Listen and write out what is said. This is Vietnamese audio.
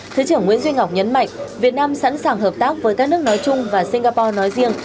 thứ trưởng nguyễn duy ngọc nhấn mạnh việt nam sẵn sàng hợp tác với các nước nói chung và singapore nói riêng